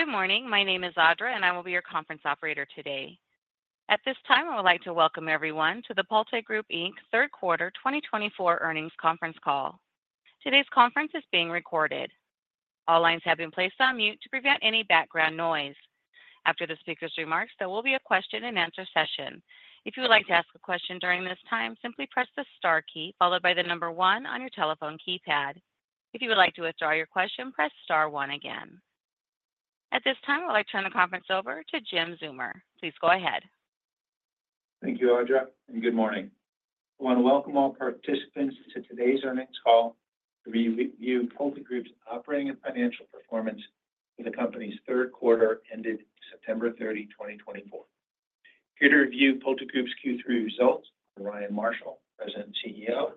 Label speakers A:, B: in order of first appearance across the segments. A: Good morning. My name is Audra, and I will be your conference operator today. At this time, I would like to welcome everyone to the PulteGroup, Inc. Third Quarter 2024 Earnings Conference Call. Today's conference is being recorded. All lines have been placed on mute to prevent any background noise. After the speaker's remarks, there will be a question-and-answer session. If you would like to ask a question during this time, simply press the star key followed by the number one on your telephone keypad. If you would like to withdraw your question, press star one again. At this time, I'd like to turn the conference over to Jim Zeumer. Please go ahead.
B: Thank you, Audra, and good morning. I want to welcome all participants to today's earnings call to re-review PulteGroup's operating and financial performance for the company's third quarter ended September 30, 2024. Here to review PulteGroup's Q3 results, Ryan Marshall, President and CEO,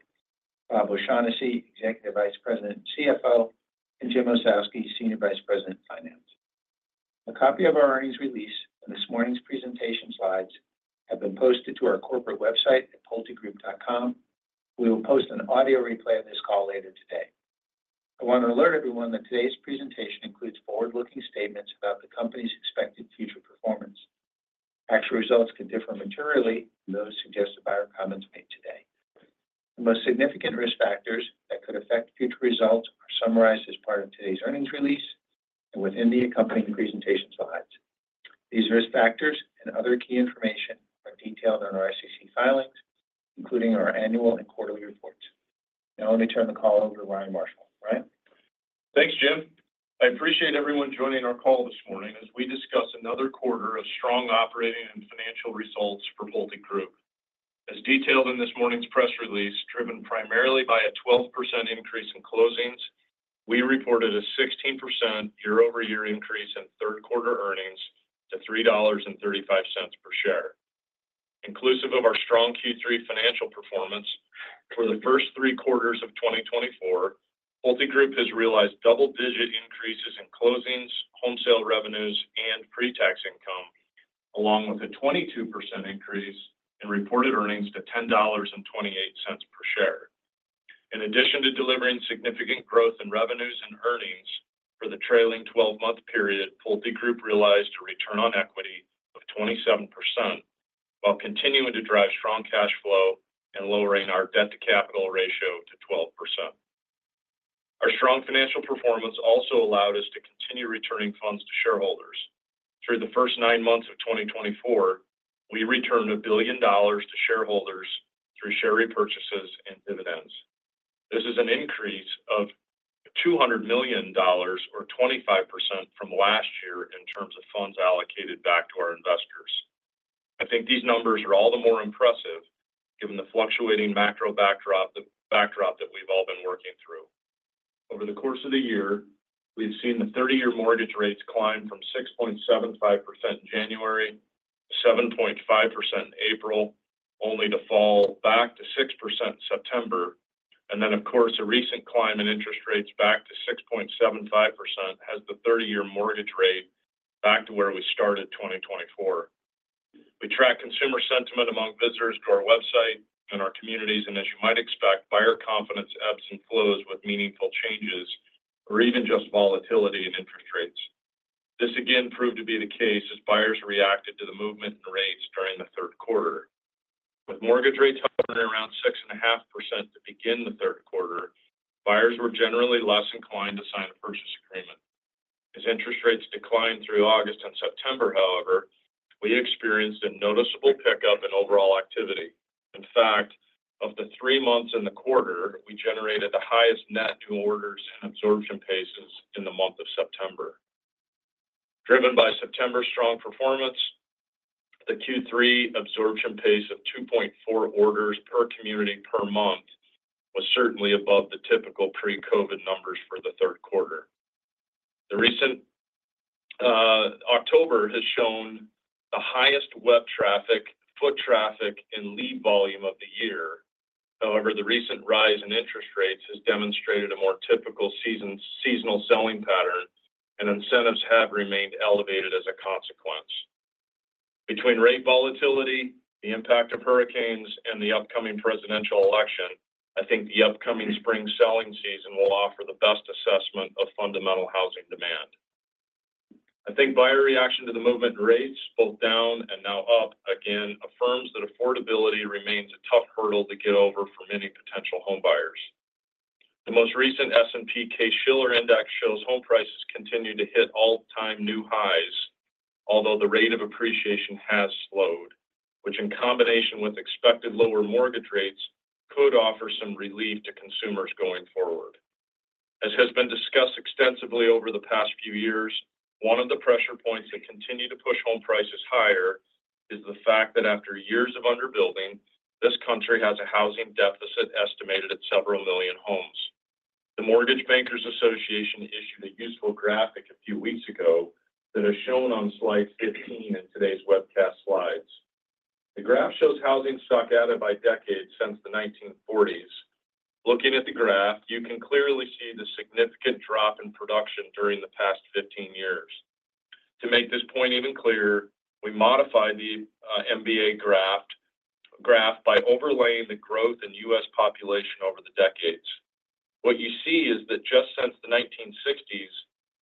B: Bob O'Shaughnessy, Executive Vice President and CFO, and Jim Ossowski, Senior Vice President of Finance. A copy of our earnings release and this morning's presentation slides have been posted to our corporate website at pultegroup.com. We will post an audio replay of this call later today. I want to alert everyone that today's presentation includes forward-looking statements about the company's expected future performance. Actual results could differ materially from those suggested by our comments made today. The most significant risk factors that could affect future results are summarized as part of today's earnings release and within the accompanying presentation slides. These risk factors and other key information are detailed in our SEC filings, including our annual and quarterly reports. Now, let me turn the call over to Ryan Marshall. Ryan?
C: Thanks, Jim. I appreciate everyone joining our call this morning as we discuss another quarter of strong operating and financial results for PulteGroup. As detailed in this morning's press release, driven primarily by a 12% increase in closings, we reported a 16% year-over-year increase in third quarter earnings to $3.35 per share. Inclusive of our strong Q3 financial performance, for the first three quarters of 2024, PulteGroup has realized double-digit increases in closings, home sale revenues, and pre-tax income, along with a 22% increase in reported earnings to $10.28 per share. In addition to delivering significant growth in revenues and earnings for the trailing-twelve-month period, PulteGroup realized a return on equity of 27%, while continuing to drive strong cash flow and lowering our debt-to-capital ratio to 12%. Our strong financial performance also allowed us to continue returning funds to shareholders. Through the first nine months of 2024, we returned $1 billion to shareholders through share repurchases and dividends. This is an increase of $200 million or 25% from last year in terms of funds allocated back to our investors. I think these numbers are all the more impressive given the fluctuating macro backdrop, the backdrop that we've all been working through. Over the course of the year, we've seen the thirty-year mortgage rates climb from 6.75% in January, to 7.5% in April, only to fall back to 6% in September, and then, of course, a recent climb in interest rates back to 6.75% has the thirty-year mortgage rate back to where we started 2024. We track consumer sentiment among visitors to our website and our communities, and as you might expect, buyer confidence ebbs and flows with meaningful changes or even just volatility in interest rates. This again proved to be the case as buyers reacted to the movement in rates during the third quarter. With mortgage rates hovering around 6.5% to begin the third quarter, buyers were generally less inclined to sign a purchase agreement. As interest rates declined through August and September, however, we experienced a noticeable pickup in overall activity. In fact, of the three months in the quarter, we generated the highest net new orders and absorption paces in the month of September. Driven by September's strong performance, the Q3 absorption pace of 2.4 orders per community per month was certainly above the typical pre-COVID numbers for the third quarter. The recent October has shown the highest web traffic, foot traffic, and lead volume of the year. However, the recent rise in interest rates has demonstrated a more typical seasonal selling pattern, and incentives have remained elevated as a consequence. Between rate volatility, the impact of hurricanes, and the upcoming presidential election, I think the upcoming spring selling season will offer the best assessment of fundamental housing demand. I think buyer reaction to the mortgage rates, both down and now up again, affirms that affordability remains a tough hurdle to get over for many potential homebuyers. The most recent S&P Case-Shiller Index shows home prices continue to hit all-time new highs, although the rate of appreciation has slowed, which, in combination with expected lower mortgage rates, could offer some relief to consumers going forward. As has been discussed extensively over the past few years, one of the pressure points that continue to push home prices higher is the fact that after years of underbuilding, this country has a housing deficit estimated at several million homes. The Mortgage Bankers Association issued a useful graphic a few weeks ago that is shown on slide fifteen in today's webcast slides. The graph shows housing stock data by decades since the nineteen-forties. Looking at the graph, you can clearly see the significant drop in production during the past fifteen years. To make this point even clearer, we modified the MBA graph by overlaying the growth in U.S. population over the decades. What you see is that just since the 1960s,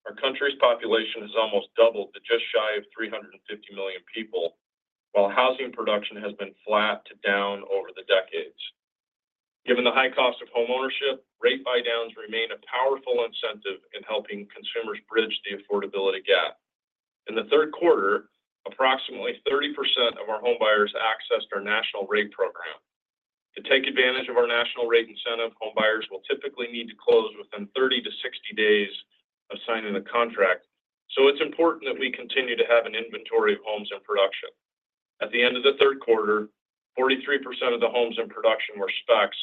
C: our country's population has almost doubled to just shy of 350 million people, while housing production has been flat to down over the decades. Given the high cost of homeownership, rate buydowns remain a powerful incentive in helping consumers bridge the affordability gap. In the third quarter, approximately 30% of our home buyers accessed our national rate program. To take advantage of our national rate incentive, home buyers will typically need to close within 30 to 60 days of signing a contract. So it's important that we continue to have an inventory of homes in production. At the end of the third quarter, 43% of the homes in production were specs,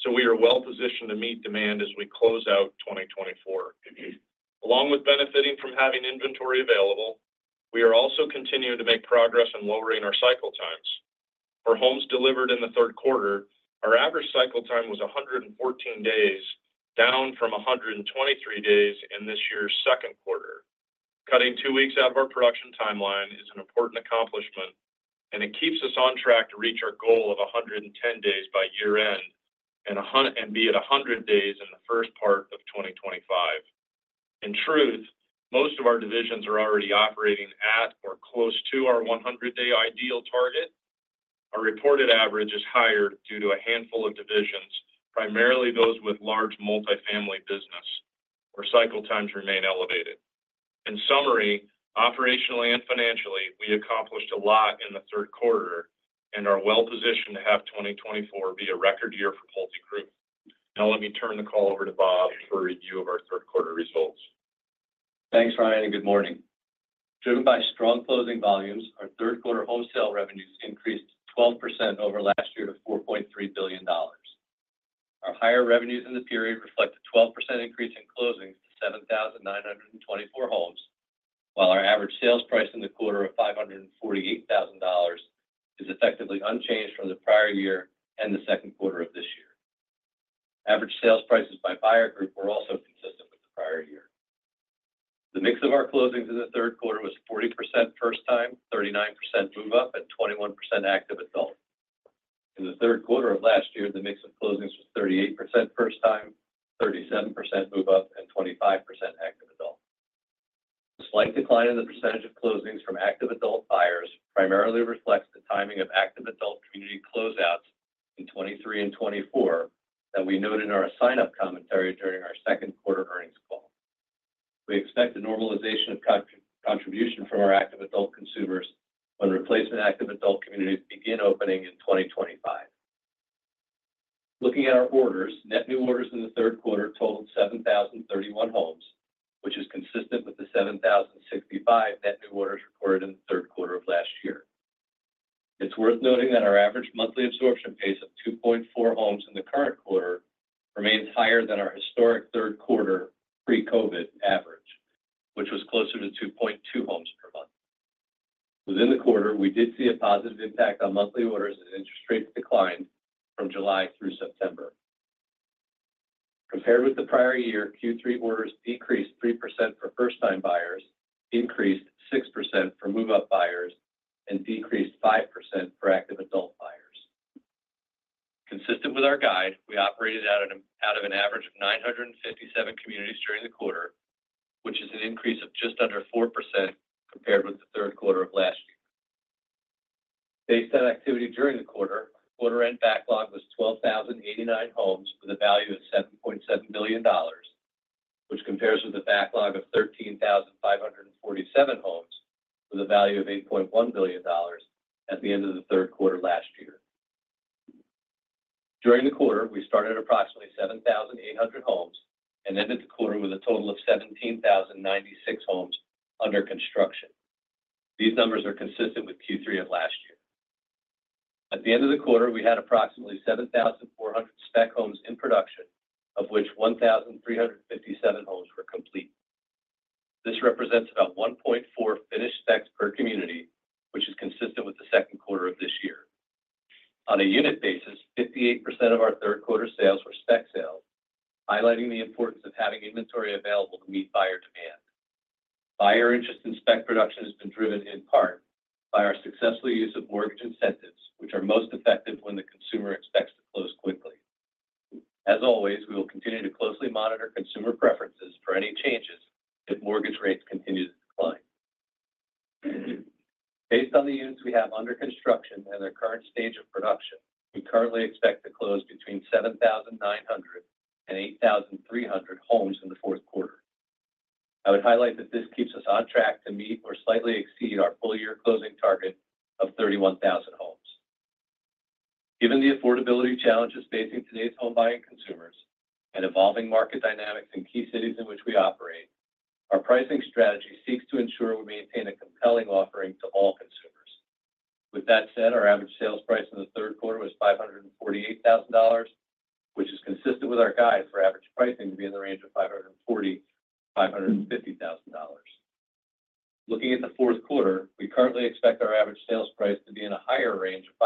C: so we are well positioned to meet demand as we close out 2024. Along with benefiting from having inventory available, we are also continuing to make progress in lowering our cycle times. For homes delivered in the third quarter, our average cycle time was a hundred and fourteen days, down from a hundred and 23 days in this year's second quarter. Cutting two weeks out of our production timeline is an important accomplishment, and it keeps us on track to reach our goal of a hundred and ten days by year-end, and be at a hundred days in the first part of 2025. In truth, most of our divisions are already operating at or close to our one hundred-day ideal target. Our reported average is higher due to a handful of divisions, primarily those with large multifamily business, where cycle times remain elevated. In summary, operationally and financially, we accomplished a lot in the third quarter and are well positioned to have 2024 be a record year for PulteGroup. Now, let me turn the call over to Bob for a review of our third quarter results.
D: Thanks, Ryan, and good morning. Driven by strong closing volumes, our third quarter home sale revenues increased 12% over last year to $4.3 billion. Our higher revenues in the period reflect a 12% increase in closings to 7,924 homes, while our average sales price in the quarter of $548,000 is effectively unchanged from the prior year and the second quarter of this year. Average sales prices by buyer group were also consistent with the prior year. The mix of our closings in the third quarter was 40% first-time, 39% move-up, and 21% active adult. In the third quarter of last year, the mix of closings was 38% first-time, 37% move-up, and 25% active adult. A slight decline in the percentage of closings from active adult buyers primarily reflects the timing of active adult community closeouts in 2023 and 2024 that we noted in our sign-up commentary during our second quarter earnings call. We expect a normalization of contribution from our active adult consumers when replacement active adult communities begin opening in 2025. Looking at our orders, net new orders in the third quarter totaled 7,031 homes, which is consistent with the 7,065 net new orders recorded in the third quarter of last year. It's worth noting that our average monthly absorption pace of 2.4 homes in the current quarter remains higher than our historic third quarter pre-COVID average, which was closer to 2.2 homes per month. Within the quarter, we did see a positive impact on monthly orders as interest rates declined from July through September. Compared with the prior year, Q3 orders decreased 3% for first-time buyers, increased 6% for move-up buyers, and decreased 5% for active adult buyers. Consistent with our guide, we operated out of an average of 957 communities during the quarter, which is an increase of just under 4% compared with the third quarter of last year. Based on activity during the quarter, quarter-end backlog was 12,089 homes with a value of $7.7 billion, which compares with a backlog of 13,547 homes with a value of $8.1 billion at the end of the third quarter last year. During the quarter, we started approximately seven thousand eight hundred homes and ended the quarter with a total of seventeen thousand and ninety-six homes under construction. These numbers are consistent with Q3 of last year. At the end of the quarter, we had approximately seven thousand four hundred spec homes in production, of which one thousand three hundred and fifty-seven homes were complete. This represents about 1.4 finished specs per community, which is consistent with the second quarter of this year. On a unit basis, 58% of our third quarter sales were spec sales, highlighting the importance of having inventory available to meet buyer demand. Buyer interest in spec production has been driven in part by our successful use of mortgage incentives, which are most effective when the consumer expects to close quickly. As always, we will continue to closely monitor consumer preferences for any changes if mortgage rates continue to decline. Based on the units we have under construction and their current stage of production, we currently expect to close between seven thousand nine hundred and eight thousand three hundred homes in the fourth quarter. I would highlight that this keeps us on track to meet or slightly exceed our full year closing target of thirty-one thousand homes. Given the affordability challenges facing today's home buying consumers and evolving market dynamics in key cities in which we operate, our pricing strategy seeks to ensure we maintain a compelling offering to all consumers. With that said, our average sales price in the third quarter was $548,000, which is consistent with our guide for average pricing to be in the range of $540,000-$550,000. Looking at the fourth quarter, we currently expect our average sales price to be in a higher range of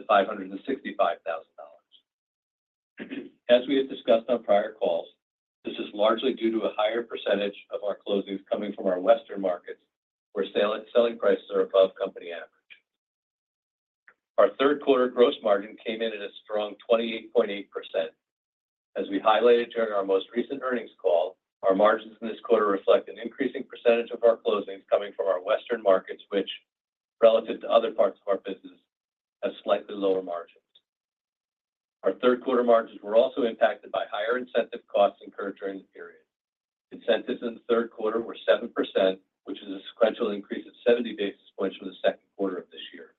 D: $555,000-$565,000. As we have discussed on prior calls, this is largely due to a higher percentage of our closings coming from our Western markets, where selling prices are above company average. Our third quarter gross margin came in at a strong 28.8%. As we highlighted during our most recent earnings call, our margins in this quarter reflect an increasing percentage of our closings coming from our Western markets, which, relative to other parts of our business, have slightly lower margins. Our third quarter margins were also impacted by higher incentive costs incurred during the period. Incentives in the third quarter were 7%, which is a sequential increase of seventy basis points from the second quarter of this year.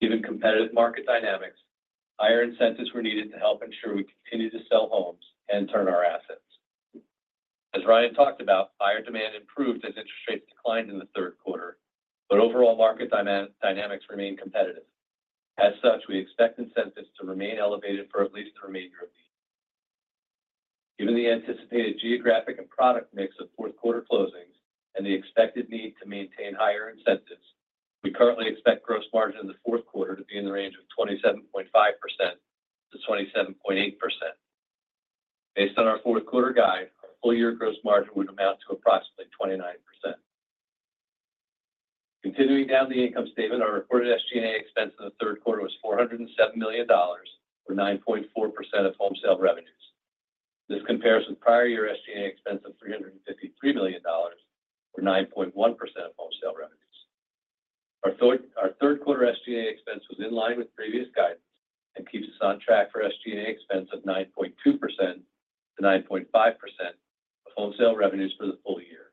D: Given competitive market dynamics, higher incentives were needed to help ensure we continue to sell homes and turn our assets. As Ryan talked about, buyer demand improved as interest rates declined in the third quarter, but overall market dynamics remain competitive. As such, we expect incentives to remain elevated for at least the remainder of the year. Given the anticipated geographic and product mix of fourth quarter closings and the expected need to maintain higher incentives, we currently expect gross margin in the fourth quarter to be in the range of 27.5% to 27.8%. Based on our fourth quarter guide, our full year gross margin would amount to approximately 29%. Continuing down the income statement, our reported SG&A expense in the third quarter was $407 million, or 9.4% of home sale revenues. This compares with prior year SG&A expense of $353 million, or 9.1% of home sale revenues. Our third quarter SG&A expense was in line with previous guidance and keeps us on track for SG&A expense of 9.2% to 9.5% of home sale revenues for the full year.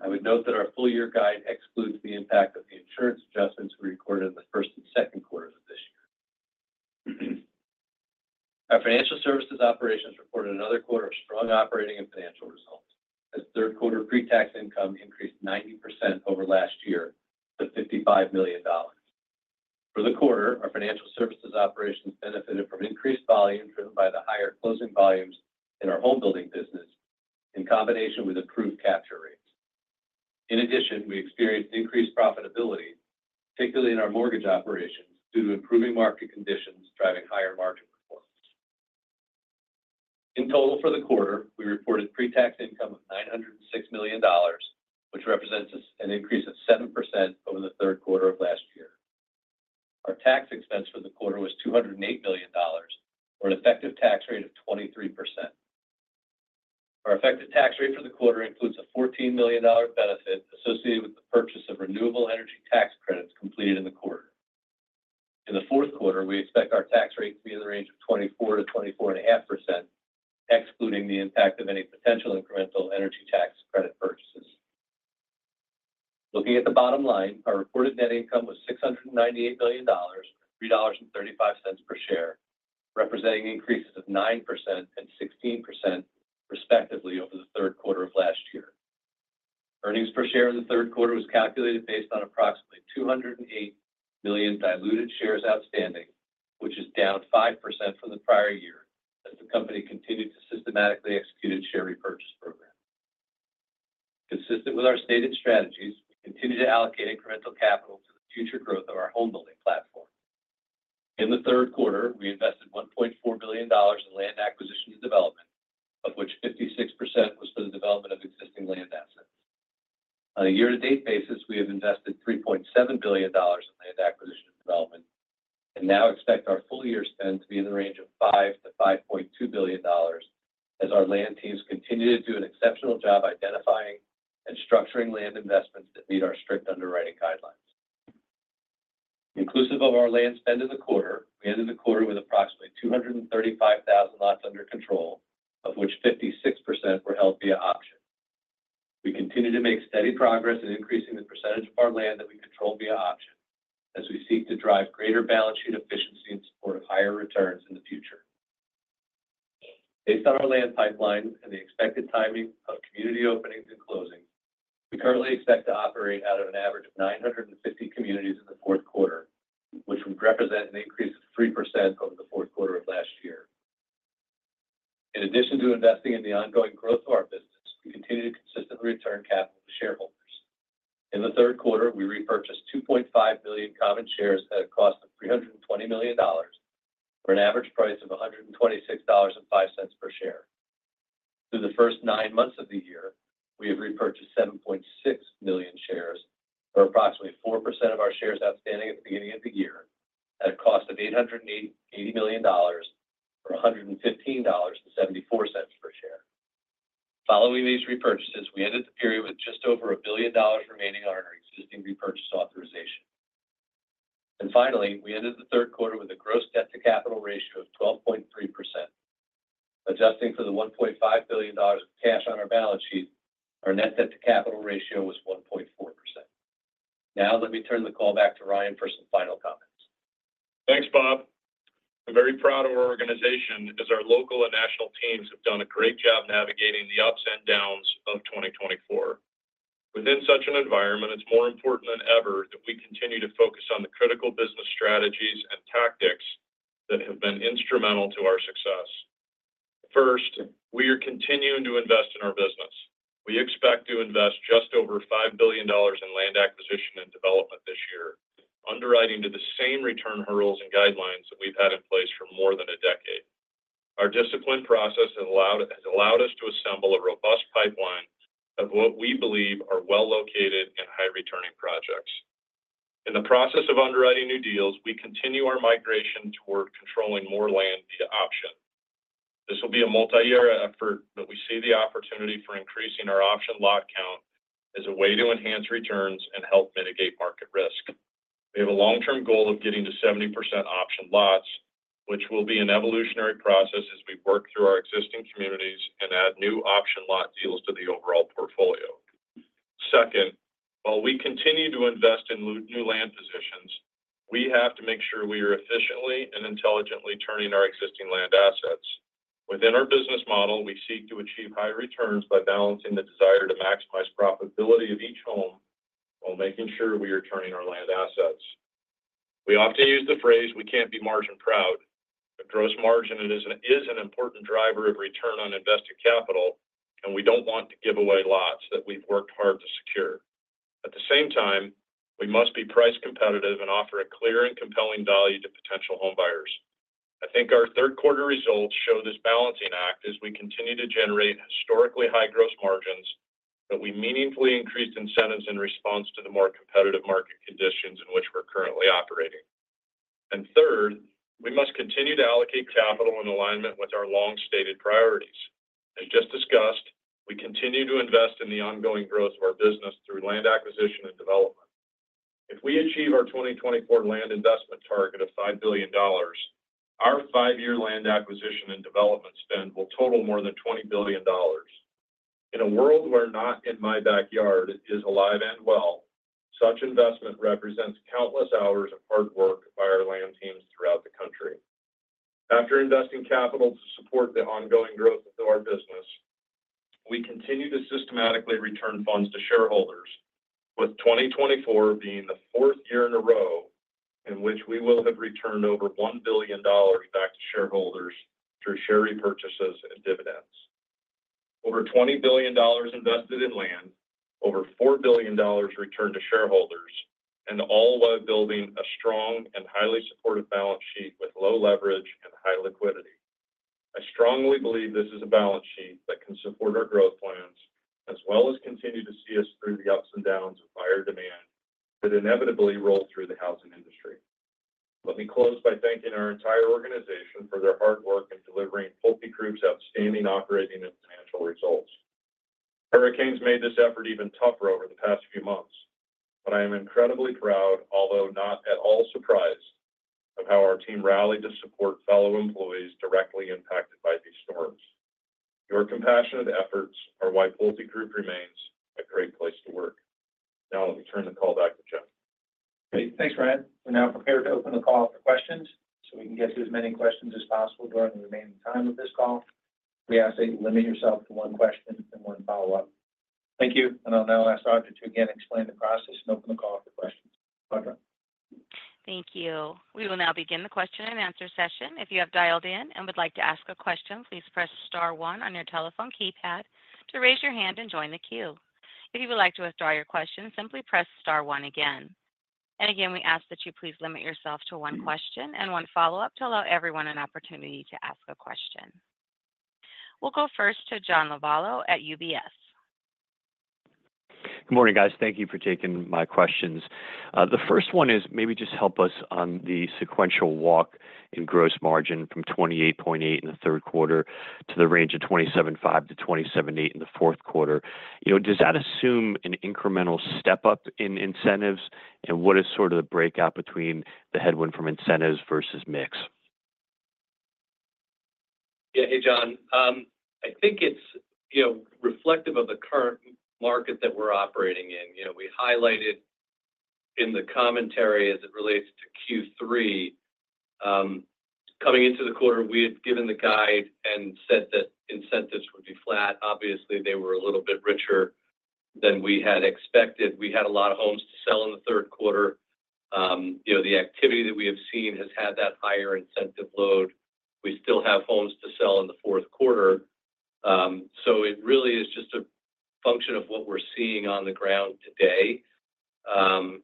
D: I would note that our full year guide excludes the impact of the insurance adjustments we recorded in the first and second quarters of this year. Our financial services operations reported another quarter of strong operating and financial results, as third quarter pre-tax income increased 90% over last year to $55 million. For the quarter, our financial services operations benefited from increased volume, driven by the higher closing volumes in our home building business, in combination with improved capture rates. In addition, we experienced increased profitability, particularly in our mortgage operations, due to improving market conditions driving higher margin performance. In total, for the quarter, we reported pre-tax income of $906 million, which represents an increase of 7% over the third quarter of last year. Our tax expense for the quarter was $208 million, or an effective tax rate of 23%. Our effective tax rate for the quarter includes a $14 million benefit associated with the purchase of renewable energy tax credits completed in the quarter. In the fourth quarter, we expect our tax rate to be in the range of 24% to 24.5%, excluding the impact of any potential incremental energy tax credit purchases. Looking at the bottom line, our reported net income was $698 million, $3.35 per share, representing increases of 9% and 16% respectively over the third quarter of last year. Earnings per share in the third quarter was calculated based on approximately 208 million diluted shares outstanding, which is down 5% from the prior year, as the company continued to systematically execute its share repurchase program. Consistent with our stated strategies, we continue to allocate incremental capital to the future growth of our home building platform. In the third quarter, we invested $1.4 billion in land acquisition and development, of which 56% was for the development of existing land assets. On a year-to-date basis, we have invested $3.7 billion in land acquisition and development and now expect our full year spend to be in the range of $5-$5.2 billion, as our land teams continue to do an exceptional job identifying and structuring land investments that meet our strict underwriting guidelines. Inclusive of our land spend in the quarter, we ended the quarter with approximately 235,000 lots under control, of which 56% were held via optioned. We continue to make steady progress in increasing the percentage of our land that we control via optioned, as we seek to drive greater balance sheet efficiency in support of higher returns in the future. Based on our land pipeline and the expected timing of community openings and closings, we currently expect to operate out of an average of 950 communities in the fourth quarter, which would represent an increase of 3% over the fourth quarter of last year. In addition to investing in the ongoing growth of our business, we continue to consistently return capital to shareholders. In the third quarter, we repurchased 2.5 million common shares at a cost of $320 million, for an average price of $126.05 per share. Through the first nine months of the year, we have repurchased 7.6 million shares, or approximately 4% of our shares outstanding at the beginning of the year, at a cost of eight hundred and eighty million dollars, or $115.74 per share. Following these repurchases, we ended the period with just over $1 billion remaining on our existing repurchase authorization. And finally, we ended the third quarter with a gross debt-to-capital ratio of 12.3%. Adjusting for the $1.5 billion of cash on our balance sheet, our net debt-to-capital ratio was 1.4%. Now, let me turn the call back to Ryan for some final comments.
C: Thanks, Bob. I'm very proud of our organization, as our local and national teams have done a great job navigating the ups and downs of 2024. Within such an environment, it's more important than ever that we continue to focus on the critical business strategies and tactics that have been instrumental to our success. First, we are continuing to invest in our business. We expect to invest just over $5 billion in land acquisition and development this year, underwriting to the same return hurdles and guidelines that we've had in place for more than a decade. Our disciplined process has allowed us to assemble a robust pipeline of what we believe are well-located and high-returning projects. In the process of underwriting new deals, we continue our migration toward controlling more land via optioned. This will be a multi-year effort, but we see the opportunity for increasing our option lot count as a way to enhance returns and help mitigate market risk. We have a long-term goal of getting to 70% option lots, which will be an evolutionary process as we work through our existing communities and add new option lot deals to the overall portfolio. Second, while we continue to invest in new land positions, we have to make sure we are efficiently and intelligently turning our existing land assets. Within our business model, we seek to achieve high returns by balancing the desire to maximize profitability of each home while making sure we are turning our land assets. We often use the phrase: "We can't be margin proud." But gross margin, it is an important driver of return on invested capital, and we don't want to give away lots that we've worked hard to secure. At the same time, we must be price competitive and offer a clear and compelling value to potential homebuyers. I think our third quarter results show this balancing act as we continue to generate historically high gross margins, but we meaningfully increased incentives in response to the more competitive market conditions in which we're currently operating. And third, we must continue to allocate capital in alignment with our long-stated priorities. As just discussed, we continue to invest in the ongoing growth of our business through land acquisition and development. If we achieve our 2024 land investment target of $5 billion, our five-year land acquisition and development spend will total more than $20 billion. In a world where "Not in my backyard" is alive and well, such investment represents countless hours of hard work by our land teams throughout the country. After investing capital to support the ongoing growth of our business, we continue to systematically return funds to shareholders, with 2024 being the fourth year in a row in which we will have returned over $1 billion back to shareholders through share repurchases and dividends. Over $20 billion invested in land, over $4 billion returned to shareholders, and all while building a strong and highly supportive balance sheet with low leverage and high liquidity. I strongly believe this is a balance sheet that can support our growth plans, as well as continue to see us through the ups and downs of buyer demand that inevitably roll through the housing industry. Let me close by thanking our entire organization for their hard work in delivering PulteGroup's outstanding operating and financial results. Hurricanes made this effort even tougher over the past few months, but I am incredibly proud, although not at all surprised, of how our team rallied to support fellow employees directly impacted by these storms. Your compassionate efforts are why PulteGroup remains a great place to work. Now, let me turn the call back to Jim.
B: Great. Thanks, Ryan. We're now prepared to open the call up for questions, so we can get to as many questions as possible during the remaining time of this call. We ask that you limit yourself to one question and one follow-up. Thank you. And I'll now ask Audra to again explain the process and open the call up for questions. Audra?
A: Thank you. We will now begin the question-and-answer session. If you have dialed in and would like to ask a question, please press star one on your telephone keypad to raise your hand and join the queue. If you would like to withdraw your question, simply press star one again. And again, we ask that you please limit yourself to one question and one follow-up to allow everyone an opportunity to ask a question. We'll go first to John Lovallo at UBS.
E: Good morning, guys. Thank you for taking my questions. The first one is, maybe just help us on the sequential walk in gross margin from 28.8% in the third quarter to the range of 27.5%-27.8% in the fourth quarter. You know, does that assume an incremental step-up in incentives? And what is sort of the breakout between the headwind from incentives versus mix?
D: Yeah. Hey, John. I think it's, you know, reflective of the current market that we're operating in. You know, we highlighted in the commentary as it relates to Q3. Coming into the quarter, we had given the guide and said that incentives would be flat. Obviously, they were a little bit richer than we had expected. We had a lot of homes to sell in the third quarter. You know, the activity that we have seen has had that higher incentive load. We still have homes to sell in the fourth quarter. So it really is just a function of what we're seeing on the ground today. You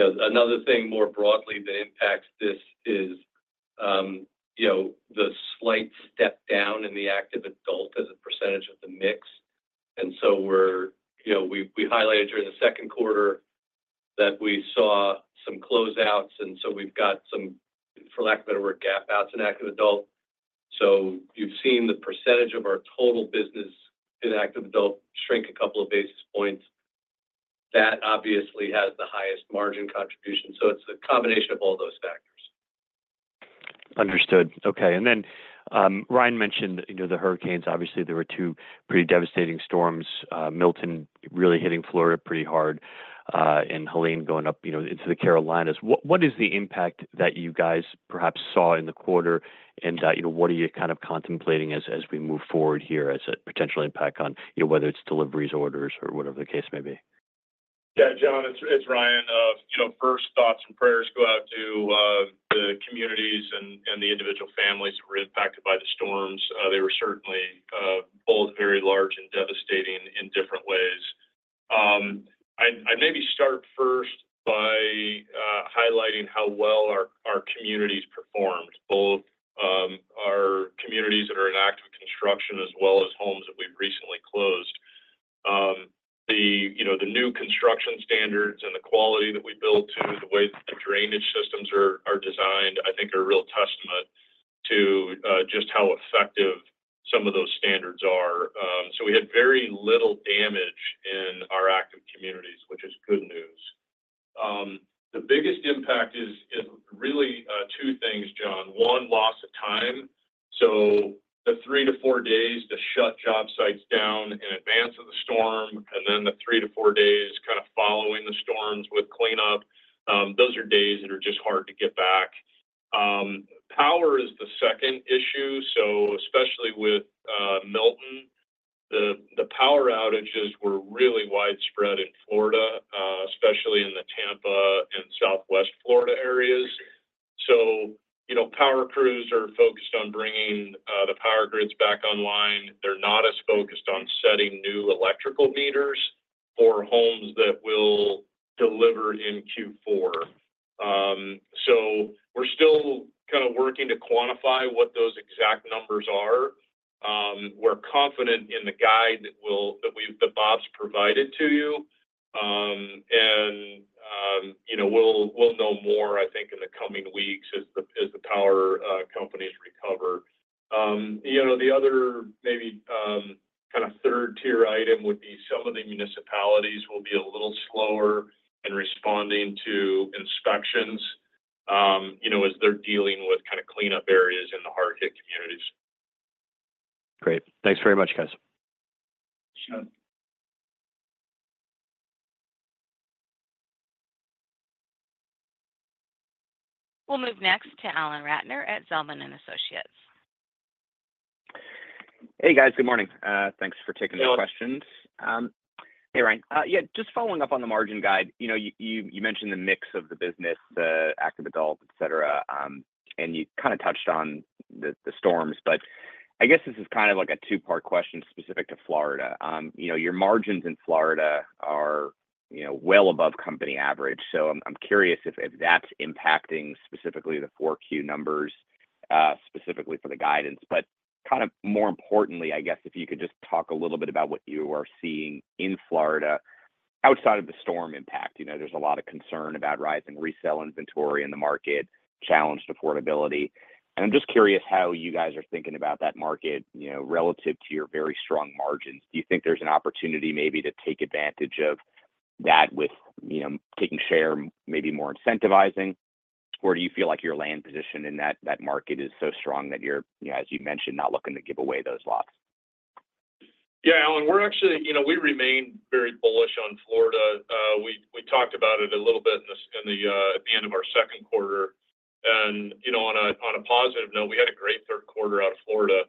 D: know, another thing, more broadly, that impacts this is, you know, the slight step down in the active adult as a percentage of the mix. And so, you know, we highlighted during the second quarter that we saw some closeouts, and so we've got some, for lack of a better word, gap outs in active adult. So you've seen the percentage of our total business in active adult shrink a couple of basis points. That obviously has the highest margin contribution, so it's a combination of all those factors.
E: Understood. Okay, and then, Ryan mentioned, you know, the hurricanes. Obviously, there were two pretty devastating storms, Milton really hitting Florida pretty hard, and Helene going up, you know, into the Carolinas. What is the impact that you guys perhaps saw in the quarter, and, you know, what are you kind of contemplating as we move forward here as a potential impact on, you know, whether it's deliveries, orders, or whatever the case may be? ...
C: Yeah, John, it's Ryan. You know, first thoughts and prayers go out to the communities and the individual families that were impacted by the storms. They were certainly both very large and devastating in different ways. I'd maybe start first by highlighting how well our communities performed, both our communities that are in active construction as well as homes that we've recently closed. You know, the new construction standards and the quality that we build to, the way that the drainage systems are designed, I think are a real testament to just how effective some of those standards are. So we had very little damage in our active communities, which is good news. The biggest impact is really two things, John. One, loss of time, so the three to four days to shut job sites down in advance of the storm, and then the three to four days kind of following the storms with cleanup, those are days that are just hard to get back. Power is the second issue, so especially with Milton, the power outages were really widespread in Florida, especially in the Tampa and Southwest Florida areas. So, you know, power crews are focused on bringing the power grids back online. They're not as focused on setting new electrical meters for homes that will deliver in Q4. So we're still kind of working to quantify what those exact numbers are. We're confident in the guide that Bob's provided to you. And, you know, we'll know more, I think, in the coming weeks as the power companies recover. You know, the other maybe kind of third-tier item would be some of the municipalities will be a little slower in responding to inspections, you know, as they're dealing with kind of cleanup areas in the hard-hit communities.
D: Great. Thanks very much, guys.
C: Sure.
A: We'll move next to Alan Ratner at Zelman & Associates.
F: Hey, guys. Good morning. Thanks for taking the questions.
C: Hello.
F: Hey, Ryan. Yeah, just following up on the margin guide. You know, you mentioned the mix of the business, the active adult, et cetera, and you kind of touched on the storms, but I guess this is kind of like a two-part question specific to Florida. You know, your margins in Florida are, you know, well above company average, so I'm curious if that's impacting specifically the 4Q numbers, specifically for the guidance, but kind of more importantly, I guess, if you could just talk a little bit about what you are seeing in Florida outside of the storm impact. You know, there's a lot of concern about rising resale inventory in the market, challenged affordability, and I'm just curious how you guys are thinking about that market, you know, relative to your very strong margins. Do you think there's an opportunity maybe to take advantage of that with, you know, taking share, maybe more incentivizing? Or do you feel like your land position in that market is so strong that you're, you know, as you mentioned, not looking to give away those lots?
C: Yeah, Alan, we're actually. You know, we remain very bullish on Florida. We talked about it a little bit at the end of our second quarter. And, you know, on a positive note, we had a great third quarter out of Florida.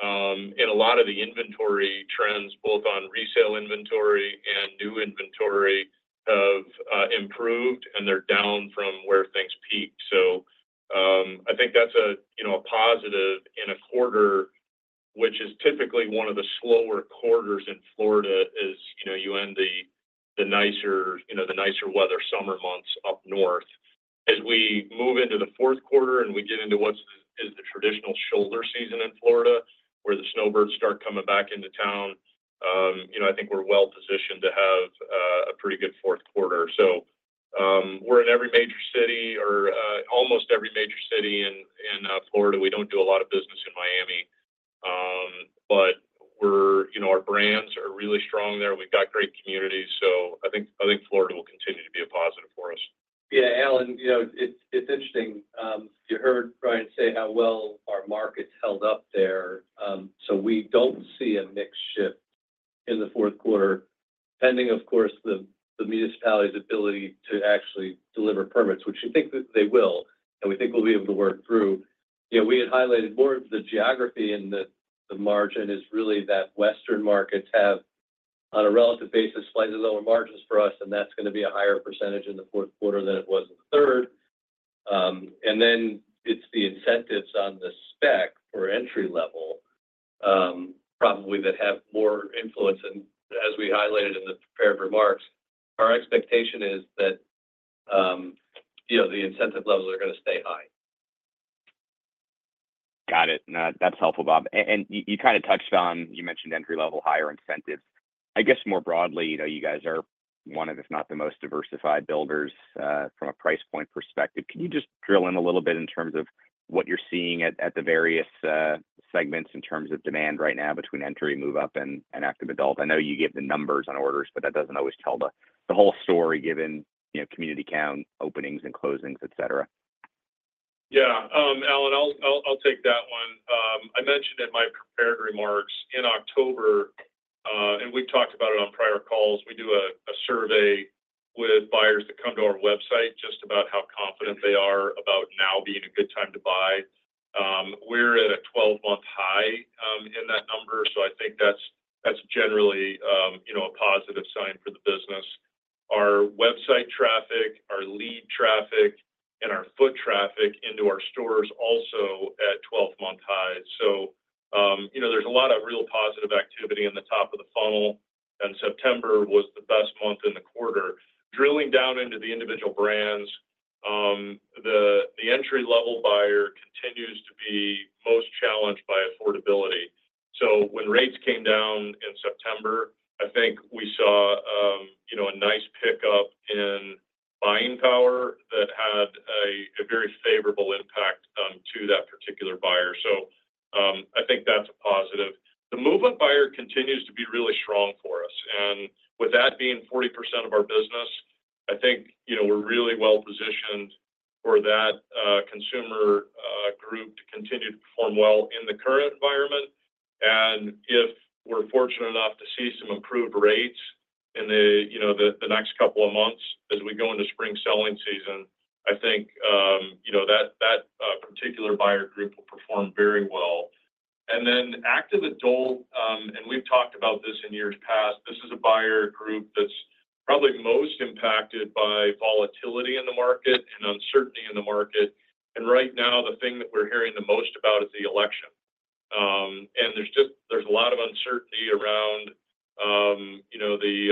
C: And a lot of the inventory trends, both on resale inventory and new inventory, have improved, and they're down from where things peaked. So, I think that's a, you know, a positive in a quarter, which is typically one of the slower quarters in Florida, as you know, you end the nicer weather, summer months up north. As we move into the fourth quarter, and we get into what is the traditional shoulder season in Florida, where the snowbirds start coming back into town, you know, I think we're well positioned to have a pretty good fourth quarter. So, we're in every major city or almost every major city in Florida. We don't do a lot of business in Miami. But we're you know, our brands are really strong there. We've got great communities, so I think Florida will continue to be a positive for us.
D: Yeah, Alan, you know, it's interesting. You heard Ryan say how well our markets held up there. So we don't see a mix shift in the fourth quarter, pending, of course, the municipality's ability to actually deliver permits, which we think that they will, and we think we'll be able to work through. You know, we had highlighted more of the geography and the margin is really that Western markets have, on a relative basis, slightly lower margins for us, and that's gonna be a higher percentage in the fourth quarter than it was in the third. And then it's the incentives on the spec for entry level, probably that have more influence. And as we highlighted in the prepared remarks, our expectation is that, you know, the incentive levels are gonna stay high.
F: Got it. No, that's helpful, Bob. And you, you kind of touched on, you mentioned entry-level, higher incentives. I guess more broadly, you know, you guys are one of, if not the most diversified builders, from a price point perspective. Can you just drill in a little bit in terms of what you're seeing at the various segments in terms of demand right now between entry, move-up, and active adult? I know you give the numbers on orders, but that doesn't always tell the whole story, given, you know, community count, openings and closings, et cetera.
C: Yeah, Alan, I'll take that one. I mentioned in my prepared remarks, in October, and we've talked about it on prior calls, we do a survey with buyers that come to our website, just about how confident they are about now being a good time to buy. We're at a twelve-month high in that number, so I think that's generally you know, a positive sign for the business. Our website traffic, our lead traffic, and our foot traffic into our stores also at twelve-month highs. So, you know, there's a lot of real positive activity in the top of the funnel, and September was the best month in the quarter. Drilling down into the individual brands, the entry-level buyer continues to be most challenged by affordability. So when rates came down in September, I think we saw, you know, a nice pickup in buying power that had a very favorable impact to that particular buyer. So, I think that's a positive. The move-up buyer continues to be really strong for us, and with that being 40% of our business, I think, you know, we're really well-positioned for that, consumer group to continue to perform well in the current environment. And if we're fortunate enough to see some improved rates in the, you know, the next couple of months as we go into spring selling season, I think, you know, that particular buyer group will perform very well. And then active adult, and we've talked about this in years past. This is a buyer group that's probably most impacted by volatility in the market and uncertainty in the market. And right now, the thing that we're hearing the most about is the election. And there's just a lot of uncertainty around, you know, the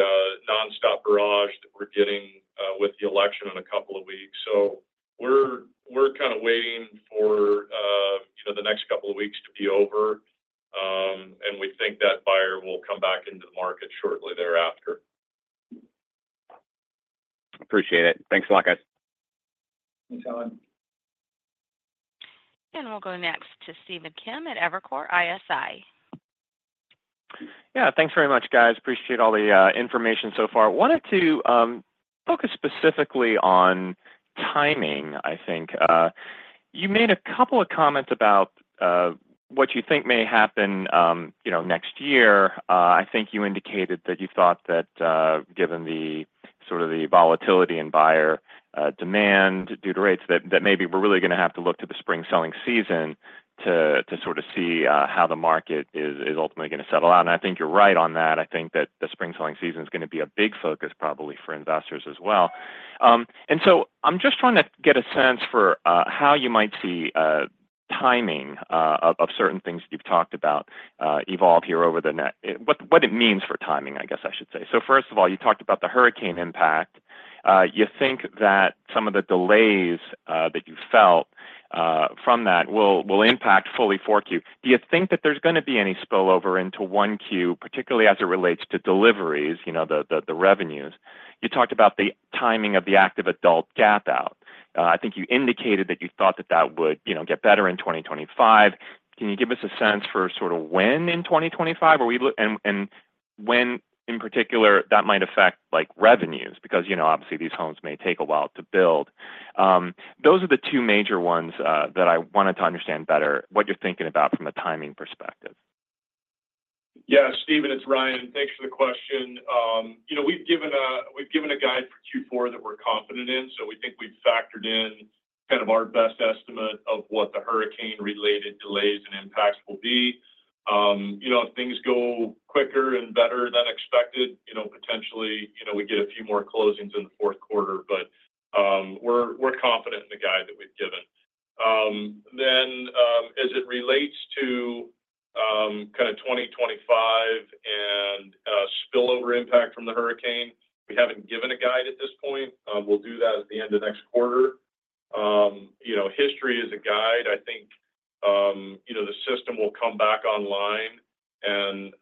C: nonstop barrage that we're getting with the election in a couple of weeks. So we're kind of waiting for, you know, the next couple of weeks to be over, and we think that buyer will come back into the market shortly thereafter.
F: Appreciate it. Thanks a lot, guys.
C: Thanks, Alan.
A: We'll go next to Stephen Kim at Evercore ISI.
G: Yeah. Thanks very much, guys. Appreciate all the information so far. Wanted to focus specifically on timing, I think. You made a couple of comments about what you think may happen, you know, next year. I think you indicated that you thought that, given the sort of the volatility in buyer demand due to rates, that maybe we're really gonna have to look to the spring selling season to sort of see how the market is ultimately gonna settle out, and I think you're right on that. I think that the spring selling season is gonna be a big focus probably for investors as well, and so I'm just trying to get a sense for how you might see timing of certain things you've talked about evolve here over the net... What it means for timing, I guess I should say. So first of all, you talked about the hurricane impact. You think that some of the delays that you felt from that will impact fully 4Q. Do you think that there's gonna be any spillover into 1Q, particularly as it relates to deliveries, you know, the revenues? You talked about the timing of the active adult gap out. I think you indicated that you thought that that would, you know, get better in 2025. Can you give us a sense for sort of when in 2025 are we looking and when in particular that might affect, like, revenues? Because, you know, obviously, these homes may take a while to build. Those are the two major ones that I wanted to understand better, what you're thinking about from a timing perspective.
C: Yeah, Stephen, it's Ryan. Thanks for the question. You know, we've given a guide for Q4 that we're confident in, so we think we've factored in kind of our best estimate of what the hurricane-related delays and impacts will be. You know, if things go quicker and better than expected, you know, potentially, you know, we get a few more closings in the fourth quarter, but we're confident in the guide that we've given. Then, as it relates to kind of 2025 and spillover impact from the hurricane, we haven't given a guide at this point. We'll do that at the end of next quarter. You know, history is a guide. I think, you know, the system will come back online and,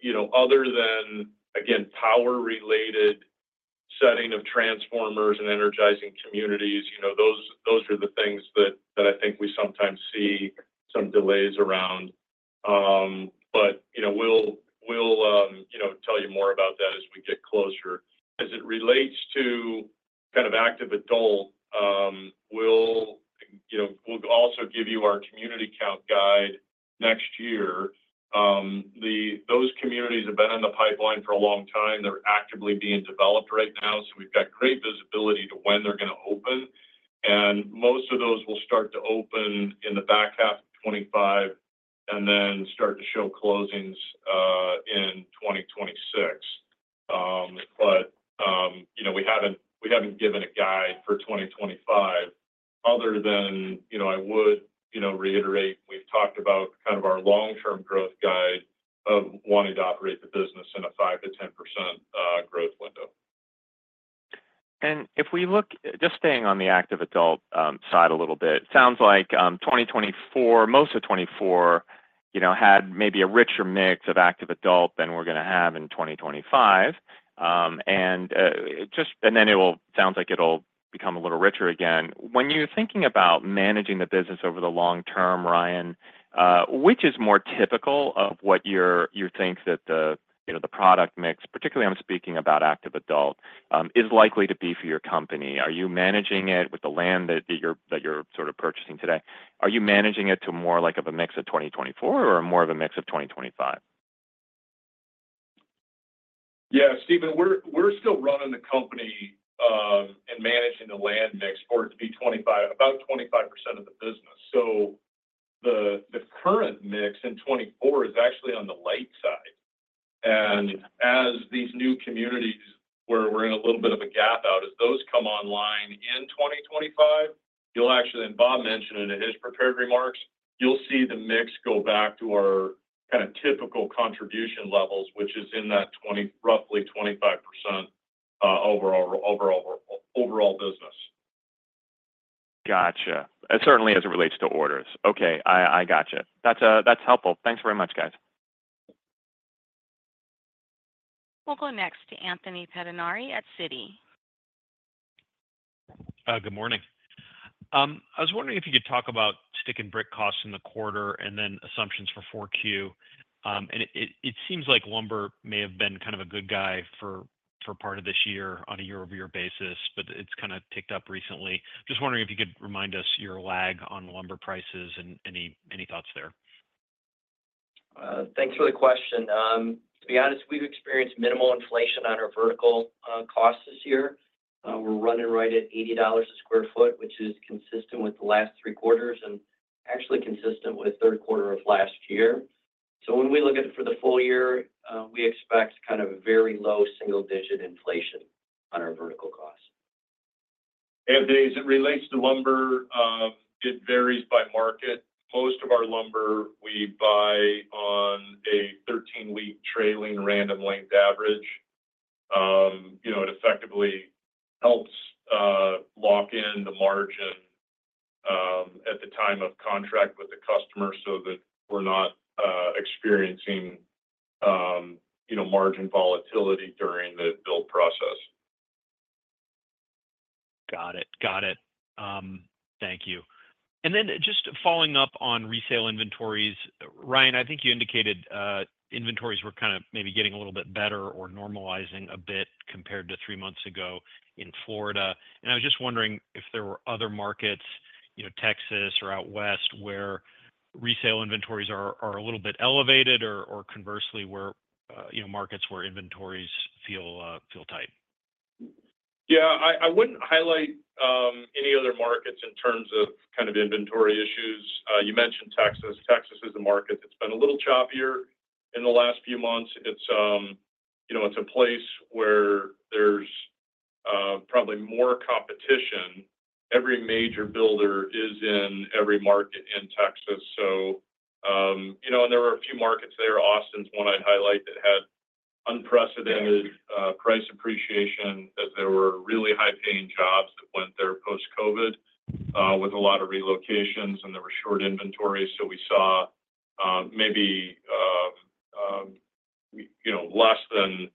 C: you know, other than, again, power-related setting of transformers and energizing communities, you know, those are the things that I think we sometimes see some delays around. But, you know, we'll, you know, tell you more about that as we get closer. As it relates to kind of active adult, we'll, you know, also give you our community count guide next year. Those communities have been in the pipeline for a long time. They're actively being developed right now, so we've got great visibility to when they're gonna open, and most of those will start to open in the back half of 2025 and then start to show closings in 2026. You know, we haven't given a guide for 2025, other than, you know, I would, you know, reiterate. We've talked about kind of our long-term growth guide of wanting to operate the business in a 5%-10% growth window. And if we look. Just staying on the active adult side a little bit, sounds like 2024, most of 2024, you know, had maybe a richer mix of active adult than we're gonna have in 2025. And then it will, sounds like it'll become a little richer again. When you're thinking about managing the business over the long term, Ryan, which is more typical of what you think that the, you know, the product mix, particularly I'm speaking about active adult, is likely to be for your company? Are you managing it with the land that you're sort of purchasing today? Are you managing it to more like of a mix of 2024 or more of a mix of 2025?...
G: Yeah, Stephen, we're still running the company and managing the land mix for it to be 25%, about 25% of the business. So the current mix in 2024 is actually on the light side. And as these new communities, where we're in a little bit of a gap out, as those come online in 2025, you'll actually, and Bob mentioned it in his prepared remarks, you'll see the mix go back to our kind of typical contribution levels, which is in that roughly 25%, overall business. Gotcha. And certainly as it relates to orders. Okay, I gotcha. That's helpful. Thanks very much, guys.
A: We'll go next to Anthony Pettinari at Citi.
H: Good morning. I was wondering if you could talk about stick and brick costs in the quarter, and then assumptions for 4Q, and it seems like lumber may have been kind of a good guy for part of this year on a year-over-year basis, but it's kind of picked up recently. Just wondering if you could remind us your lag on lumber prices and any thoughts there?
D: Thanks for the question. To be honest, we've experienced minimal inflation on our vertical costs this year. We're running right at $80 a sq ft, which is consistent with the last three quarters and actually consistent with the third quarter of last year. So when we look at it for the full year, we expect kind of a very low single-digit inflation on our vertical costs.
C: As it relates to lumber, it varies by market. Most of our lumber, we buy on a 13-week trailing random length average. You know, it effectively helps lock in the margin at the time of contract with the customer so that we're not experiencing you know, margin volatility during the build process.
H: Got it. Got it. Thank you. And then just following up on resale inventories, Ryan, I think you indicated, inventories were kind of maybe getting a little bit better or normalizing a bit compared to three months ago in Florida. And I was just wondering if there were other markets, you know, Texas or out west, where resale inventories are a little bit elevated, or conversely, where, you know, markets where inventories feel tight.
C: Yeah, I, I wouldn't highlight any other markets in terms of kind of inventory issues. You mentioned Texas. Texas is a market that's been a little choppier in the last few months. It's, you know, it's a place where there's probably more competition. Every major builder is in every market in Texas. So, you know, and there are a few markets there, Austin's one I'd highlight, that had unprecedented price appreciation, as there were really high-paying jobs that went there post-COVID, with a lot of relocations, and there were short inventories. So we saw maybe you know less than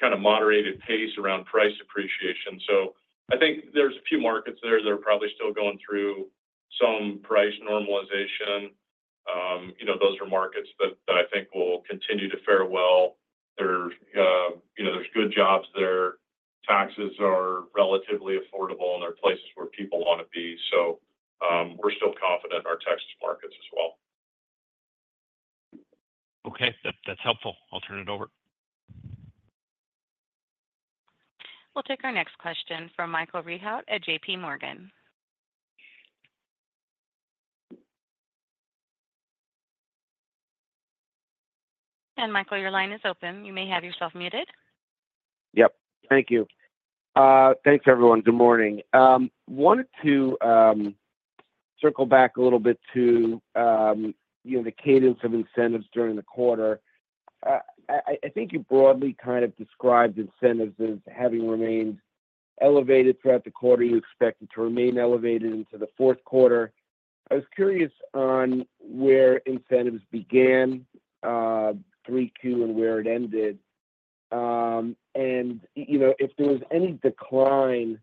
C: kind of moderated pace around price appreciation. So I think there's a few markets there that are probably still going through some price normalization. You know, those are markets that I think will continue to fare well. You know, there's good jobs there. Taxes are relatively affordable, and they're places where people want to be. So, we're still confident in our Texas markets as well.
H: Okay. That, that's helpful. I'll turn it over.
A: We'll take our next question from Michael Rehaut at JPMorgan. And Michael, your line is open. You may have yourself muted.
I: Yep. Thank you. Thanks, everyone. Good morning. Wanted to circle back a little bit to, you know, the cadence of incentives during the quarter. I think you broadly kind of described incentives as having remained elevated throughout the quarter. You expect it to remain elevated into the fourth quarter. I was curious on where incentives began 3Q and where it ended, and you know, if there was any decline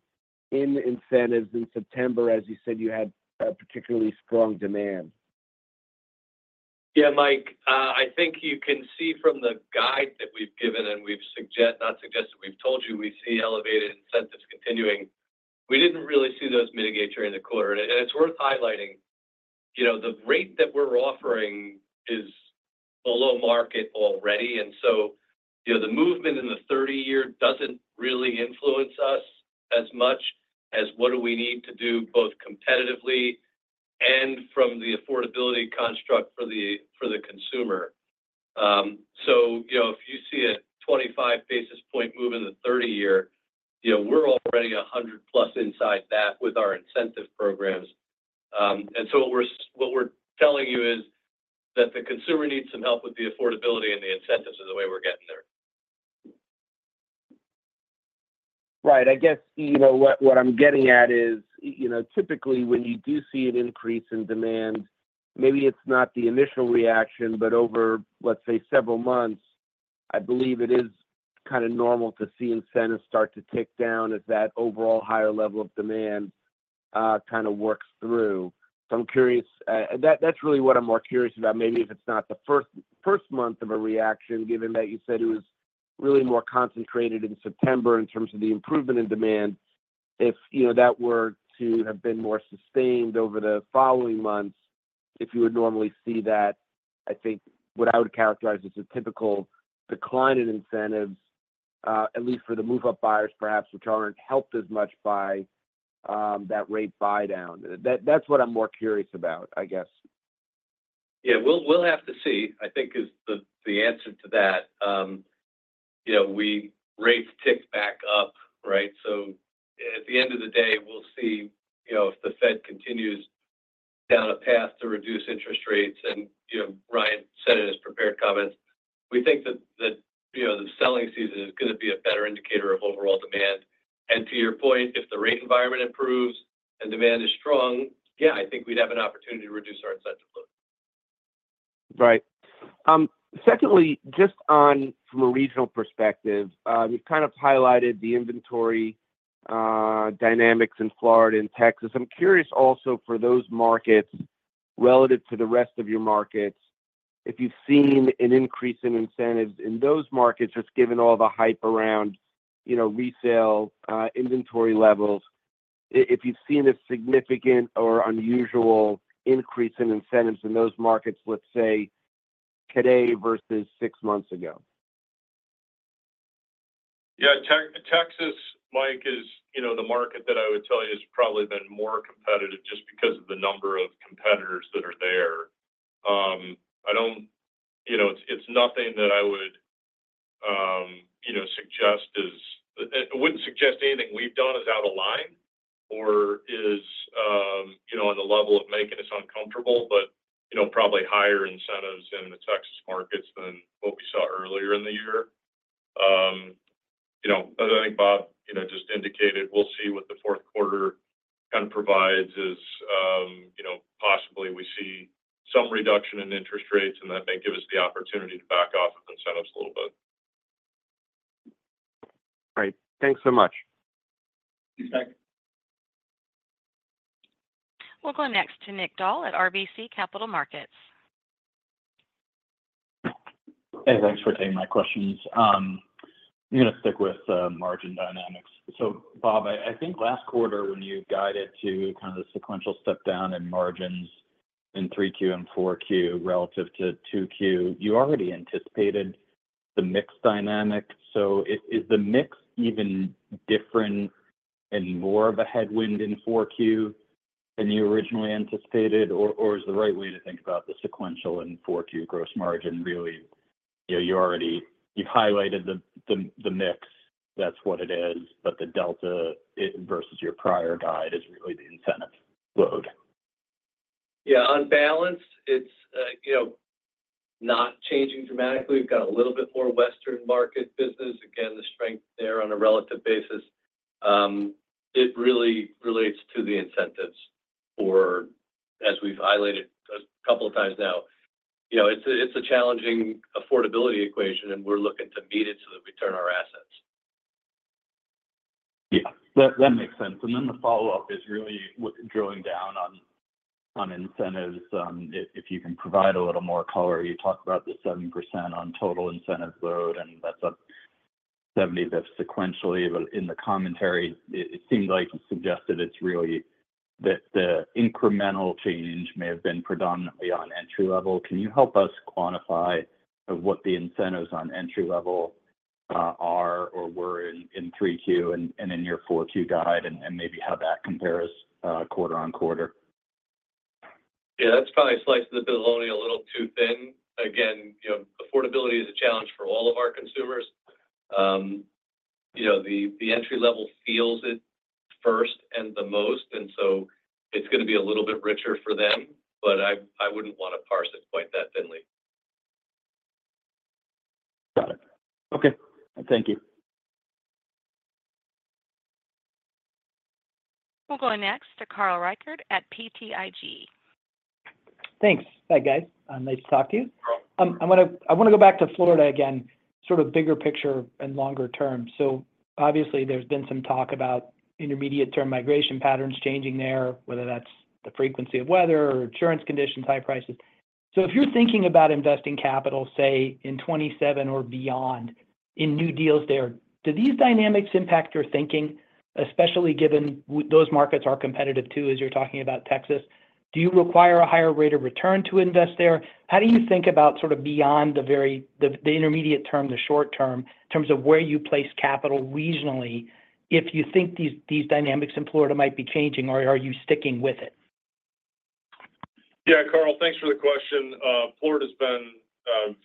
I: in incentives in September, as you said, you had a particularly strong demand.
C: Yeah, Mike, I think you can see from the guide that we've given, and we've suggest-- not suggested, we've told you, we see elevated incentives continuing. We didn't really see those mitigate during the quarter, and it's worth highlighting. You know, the rate that we're offering is below market already, and so, you know, the movement in the thirty year doesn't really influence us as much as what do we need to do, both competitively and from the affordability construct for the consumer. So you know, if you see a 25 basis point move in the 30 year, you know, we're already a hundred plus inside that with our incentive programs. And so what we're telling you is that the consumer needs some help with the affordability, and the incentives are the way we're getting there.
I: Right. I guess, you know, what I'm getting at is, you know, typically, when you do see an increase in demand, maybe it's not the initial reaction, but over, let's say, several months, I believe it is kind of normal to see incentives start to tick down as that overall higher level of demand kind of works through. So I'm curious. That's really what I'm more curious about. Maybe if it's not the first month of a reaction, given that you said it was really more concentrated in September in terms of the improvement in demand.... if, you know, that were to have been more sustained over the following months, if you would normally see that, I think what I would characterize as a typical decline in incentives, at least for the move-up buyers, perhaps, which aren't helped as much by that rate buydown. That, that's what I'm more curious about, I guess.
C: Yeah, we'll have to see. I think is the answer to that. You know, rates ticked back up, right? So at the end of the day, we'll see, you know, if the Fed continues down a path to reduce interest rates. And, you know, Ryan said in his prepared comments, we think that, you know, the selling season is gonna be a better indicator of overall demand. And to your point, if the rate environment improves and demand is strong, yeah, I think we'd have an opportunity to reduce our incentive load.
I: Right. Secondly, just on from a regional perspective, you've kind of highlighted the inventory dynamics in Florida and Texas. I'm curious also for those markets, relative to the rest of your markets, if you've seen an increase in incentives in those markets, just given all the hype around, you know, resale inventory levels. If you've seen a significant or unusual increase in incentives in those markets, let's say, today versus six months ago?
C: Yeah. Texas, Mike, is, you know, the market that I would tell you has probably been more competitive just because of the number of competitors that are there. You know, it's nothing that I would, you know, suggest is out of line or is, you know, on the level of making us uncomfortable, but, you know, probably higher incentives in the Texas markets than what we saw earlier in the year. You know, as I think Bob, you know, just indicated, we'll see what the fourth quarter kind of provides as, you know, possibly we see some reduction in interest rates, and that may give us the opportunity to back off of incentives a little bit.
I: Great. Thanks so much.
C: Thanks.
A: We'll go next to Mike Dahl at RBC Capital Markets.
J: Hey, thanks for taking my questions. I'm gonna stick with margin dynamics. So, Bob, I think last quarter, when you guided to kind of the sequential step down in margins in 3Q and 4Q, relative to 2Q, you already anticipated the mix dynamic. So is the mix even different and more of a headwind in 4Q than you originally anticipated? Or is the right way to think about the sequential in 4Q gross margin, really, you know, you've highlighted the mix, that's what it is, but the delta in versus your prior guide is really the incentive load?
D: Yeah. On balance, it's, you know, not changing dramatically. We've got a little bit more Western markets business. Again, the strength there on a relative basis, it really relates to the incentives. Or as we've highlighted a couple of times now, you know, it's a, it's a challenging affordability equation, and we're looking to meet it so that we turn our assets.
J: Yeah, that makes sense. And then the follow-up is really drilling down on incentives. If you can provide a little more color. You talked about the 7% on total incentive load, and that's up 75 basis points sequentially. But in the commentary, it seemed like it suggested it's really that the incremental change may have been predominantly on entry level. Can you help us quantify what the incentives on entry level are or were in 3Q and in your 4Q guide? And maybe how that compares quarter on quarter.
C: Yeah, that's probably slicing the bologna a little too thin. Again, you know, affordability is a challenge for all of our consumers. You know, the entry level feels it first and the most, and so it's gonna be a little bit richer for them, but I wouldn't want to parse it quite that thinly.
J: Got it. Okay, thank you.
A: We'll go next to Carl Reichardt at BTIG.
K: Thanks. Hi, guys, nice to talk to you. I wanna go back to Florida again, sort of bigger picture and longer term, so obviously, there's been some talk about intermediate term migration patterns changing there, whether that's the frequency of weather or insurance conditions, high prices, so if you're thinking about investing capital, say, in 2027 or beyond in new deals there, do these dynamics impact your thinking, especially given those markets are competitive too, as you're talking about Texas? Do you require a higher rate of return to invest there? How do you think about sort of beyond the very, the intermediate term, the short term, in terms of where you place capital regionally, if you think these dynamics in Florida might be changing, or are you sticking with it?
C: Yeah. Carl, thanks for the question. Florida's been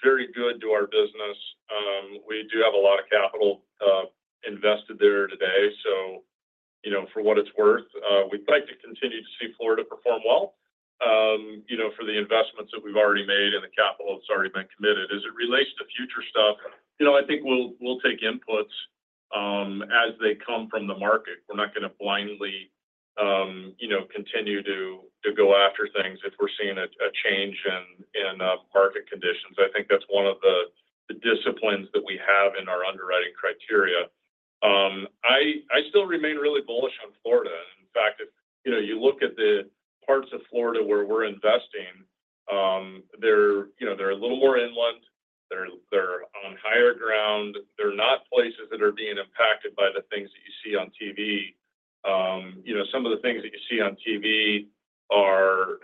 C: very good to our business. We do have a lot of capital invested there today. So, you know, for what it's worth, we'd like to continue to see Florida perform well. You know, for the investments that we've already made and the capital that's already been committed. As it relates to future stuff, you know, I think we'll take inputs as they come from the market. We're not gonna blindly you know, continue to go after things if we're seeing a change in market conditions. I think that's one of the disciplines that we have in our underwriting criteria. I still remain really bullish on Florida. In fact, you know, you look at the parts of Florida where we're investing... They're, you know, they're a little more inland. They're on higher ground. They're not places that are being impacted by the things that you see on TV. You know, some of the things that you see on TV are,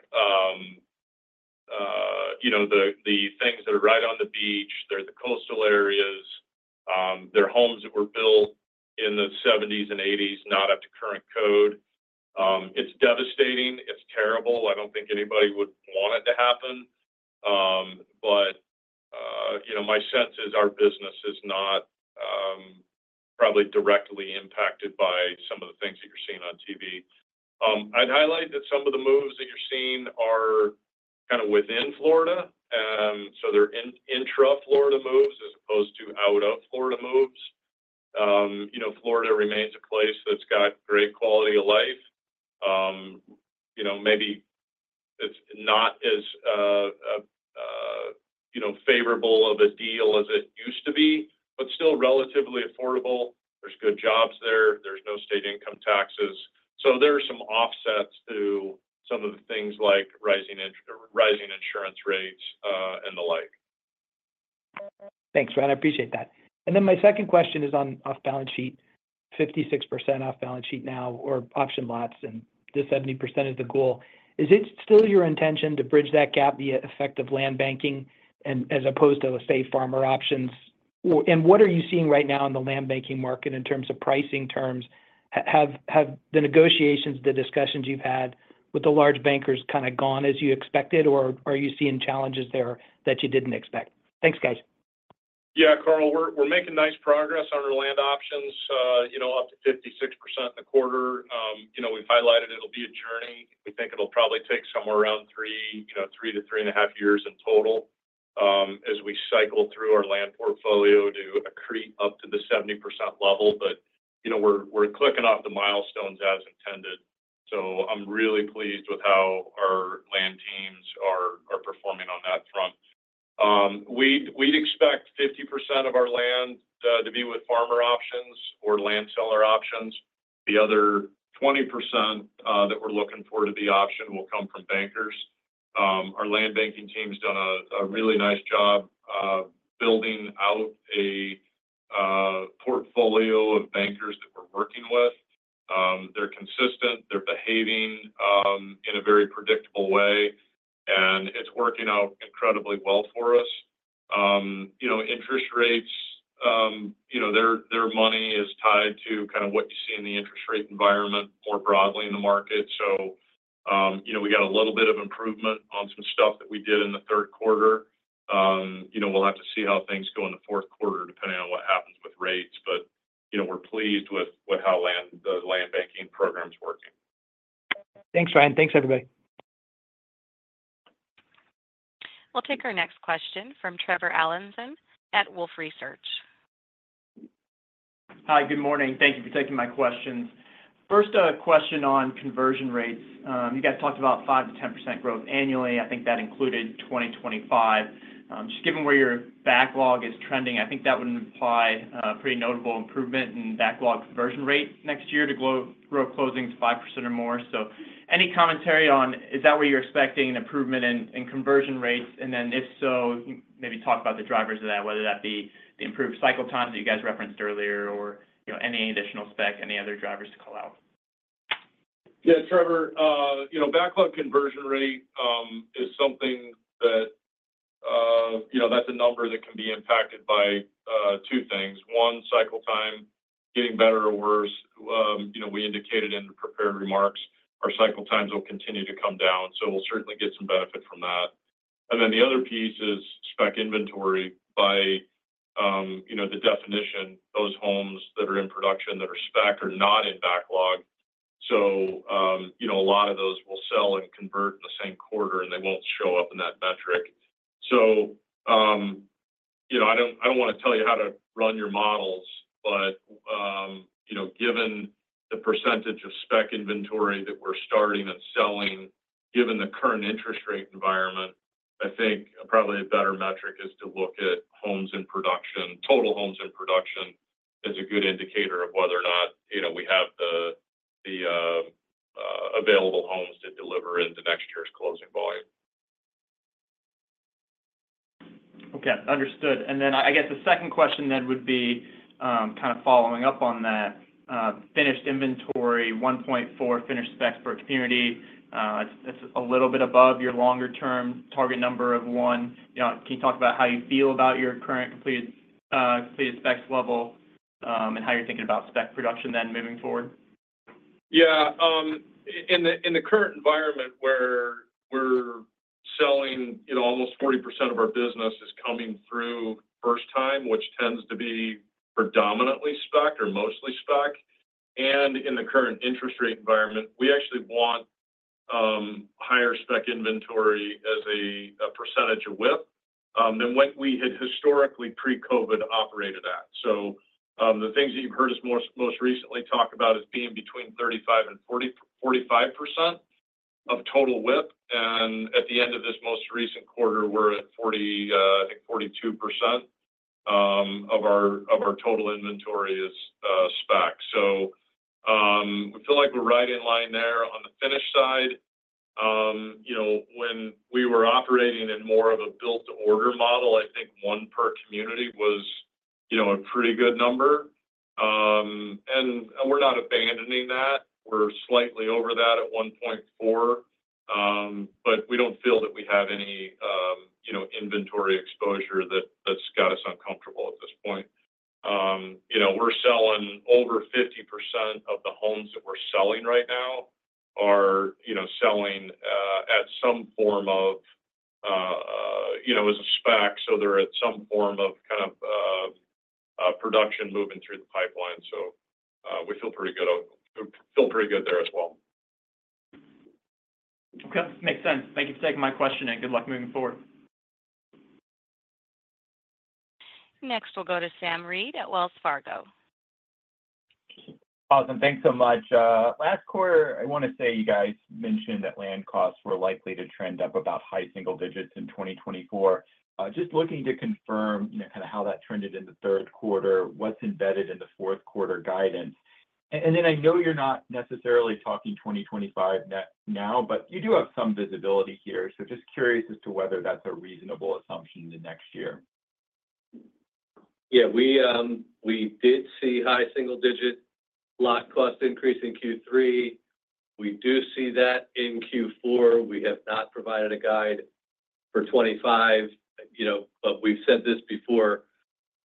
C: you know, the things that are right on the beach. They're the coastal areas. They're homes that were built in the 1970s and 1980s, not up to current code. It's devastating. It's terrible. I don't think anybody would want it to happen, but you know, my sense is our business is not probably directly impacted by some of the things that you're seeing on TV. I'd highlight that some of the moves that you're seeing are kind of within Florida, so they're intra-Florida moves as opposed to out-of-Florida moves. You know, Florida remains a place that's got great quality of life. You know, maybe it's not as, you know, favorable of a deal as it used to be, but still relatively affordable. There's good jobs there. There's no state income taxes. So there are some offsets to some of the things like rising insurance rates, and the like.
K: Thanks, Ryan. I appreciate that. And then my second question is on off-balance sheet, 56% off-balance sheet now, or option lots, and the 70% is the goal. Is it still your intention to bridge that gap via effective land banking and as opposed to a safe harbor options? And what are you seeing right now in the land banking market in terms of pricing terms? Have the negotiations, the discussions you've had with the land bankers kind of gone as you expected, or are you seeing challenges there that you didn't expect? Thanks, guys.
C: Yeah, Carl, we're making nice progress on our land options, you know, up to 56% in the quarter. You know, we've highlighted it'll be a journey. We think it'll probably take somewhere around three, you know, three to three and a half years in total, as we cycle through our land portfolio to accrete up to the 70% level. But, you know, we're clicking off the milestones as intended, so I'm really pleased with how our land teams are performing on that front. We'd expect 50% of our land to be with farmer options or land seller options. The other 20%, that we're looking for to be option will come from bankers. Our land banking team's done a really nice job, building out a portfolio of bankers that we're working with. They're consistent. They're behaving in a very predictable way, and it's working out incredibly well for us. You know, interest rates, you know, their, their money is tied to kind of what you see in the interest rate environment, more broadly in the market. So, you know, we got a little bit of improvement on some stuff that we did in the third quarter. You know, we'll have to see how things go in the fourth quarter, depending on what happens with rates. But, you know, we're pleased with, with how land, the land banking program is working.
K: Thanks, Ryan. Thanks, everybody.
A: We'll take our next question from Trevor Allinson at Wolfe Research.
L: Hi, good morning. Thank you for taking my questions. First, a question on conversion rates. You guys talked about 5%-10% growth annually. I think that included 2025. Just given where your backlog is trending, I think that would imply a pretty notable improvement in backlog conversion rate next year to grow closings 5% or more. So any commentary on, is that where you're expecting an improvement in conversion rates? And then, if so, maybe talk about the drivers of that, whether that be the improved cycle times that you guys referenced earlier or, you know, any additional spec, any other drivers to call out.
C: Yeah, Trevor, you know, backlog conversion rate is something that, you know, that's a number that can be impacted by two things. One, cycle time getting better or worse. You know, we indicated in the prepared remarks, our cycle times will continue to come down, so we'll certainly get some benefit from that. And then the other piece is spec inventory. By, you know, the definition, those homes that are in production that are spec are not in backlog. So, you know, a lot of those will sell and convert in the same quarter, and they won't show up in that metric. So, you know, I don't wanna tell you how to run your models, but, you know, given the percentage of spec inventory that we're starting and selling, given the current interest rate environment, I think probably a better metric is to look at homes in production. Total homes in production is a good indicator of whether or not, you know, we have the available homes to deliver into next year's closing volume.
L: Okay, understood. And then I guess the second question then would be, kind of following up on that, finished inventory, 1.4 finished specs per community. It's a little bit above your longer-term target number of one. You know, can you talk about how you feel about your current completed, completed specs level, and how you're thinking about spec production then moving forward?
C: Yeah. In the current environment, where we're selling, you know, almost 40% of our business is coming through first-time, which tends to be predominantly spec or mostly spec, and in the current interest rate environment, we actually want higher spec inventory as a percentage of WIP than what we had historically pre-COVID operated at. So, the things that you've heard us most recently talk about as being between 35% and 45% of total WIP, and at the end of this most recent quarter, we're at 42%, I think, of our total inventory is spec. So, we feel like we're right in line there. On the finish side, you know, when we were operating in more of a build-to-order model, I think one per community was, you know, a pretty good number. And we're not abandoning that. We're slightly over that at 1.4, but we don't feel that we have any, you know, inventory exposure that's got us uncomfortable at this point. You know, we're selling over 50% of the homes that we're selling right now are, you know, selling at some form of, you know, as a spec, so they're at some form of kind of production moving through the pipeline. So, we feel pretty good there as well.
L: Okay, makes sense. Thank you for taking my question, and good luck moving forward.
A: Next, we'll go to Sam Reid at Wells Fargo.
M: Awesome. Thanks so much. Last quarter, I want to say you guys mentioned that land costs were likely to trend up about high single digits in 2024. Just looking to confirm, you know, kind of how that trended in the third quarter, what's embedded in the fourth quarter guidance. Then I know you're not necessarily talking 2025 now, but you do have some visibility here, so just curious as to whether that's a reasonable assumption into next year.
C: Yeah, we did see high single-digit lot cost increase in Q3. We do see that in Q4. We have not provided a guide for 25. You know, but we've said this before,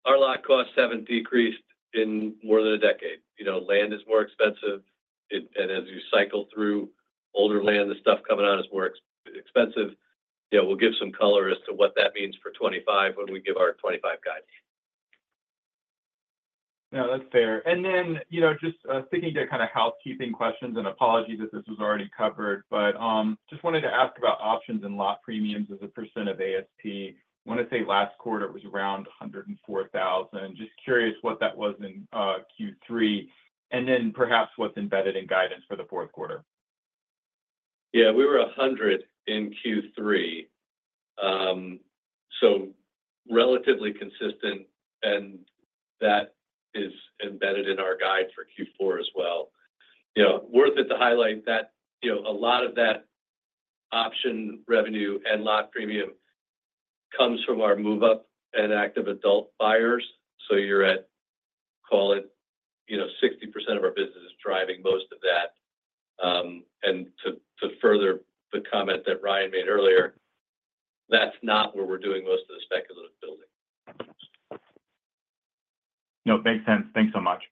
C: our lot costs haven't decreased in more than a decade. You know, land is more expensive, and as you cycle through older land, the stuff coming out is more expensive. Yeah, we'll give some color as to what that means for 25 when we give our 25 guidance.
M: No, that's fair. And then, you know, just sticking to kind of housekeeping questions, and apologies if this was already covered, but just wanted to ask about options and lot premiums as a percent of ASP. I want to say last quarter it was around $104,000. Just curious what that was in Q3, and then perhaps what's embedded in guidance for the fourth quarter.
D: Yeah, we were 100 in Q3, so relatively consistent, and that is embedded in our guide for Q4 as well. You know, worth it to highlight that, you know, a lot of that option revenue and lot premium comes from our move-up and active adult buyers. So you're at, call it, you know, 60% of our business is driving most of that. And to further the comment that Ryan made earlier, that's not where we're doing most of the speculative building.
M: No, makes sense. Thanks so much.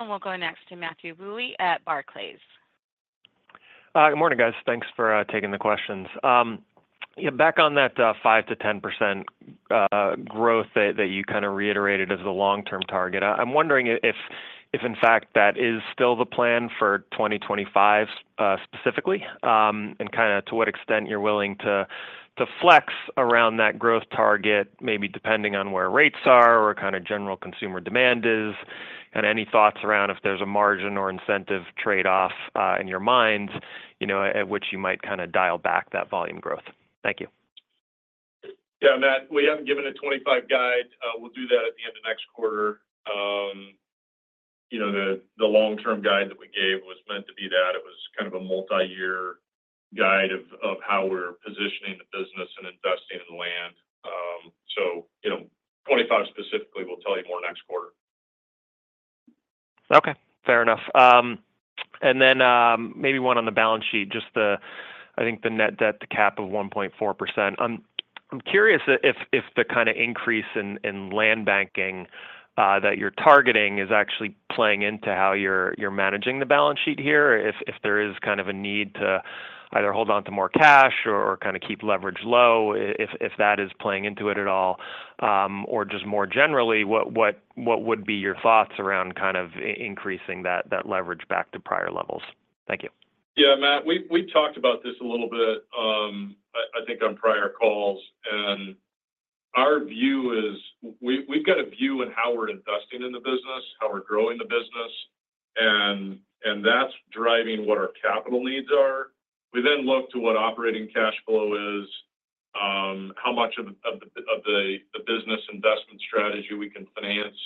A: We'll go next to Matthew Bouley at Barclays.
N: Good morning, guys. Thanks for taking the questions. Yeah, back on that, 5%-10% growth that you kind of reiterated as the long-term target, I'm wondering if in fact that is still the plan for 2025, specifically, and kind of to what extent you're willing to flex around that growth target, maybe depending on where rates are or kind of general consumer demand is, and any thoughts around if there's a margin or incentive trade-off, in your minds, you know, at which you might kind of dial back that volume growth. Thank you.
C: Yeah, Matt, we haven't given a 25 guide. We'll do that at the end of next quarter. You know, the long-term guide that we gave was meant to be that it was kind of a multiyear guide of how we're positioning the business and investing in the land. So, you know, 25 specifically, we'll tell you more next quarter.
N: Okay, fair enough, and then, maybe one on the balance sheet, just the, I think the net debt-to-cap of 1.4%. I'm curious if the kind of increase in land banking that you're targeting is actually playing into how you're managing the balance sheet here, if there is kind of a need to either hold on to more cash or kind of keep leverage low, if that is playing into it at all, or just more generally, what would be your thoughts around kind of increasing that leverage back to prior levels? Thank you.
C: Yeah, Matt, we talked about this a little bit. I think on prior calls. And our view is we've got a view in how we're investing in the business, how we're growing the business, and that's driving what our capital needs are. We then look to what operating cash flow is, how much of the business investment strategy we can finance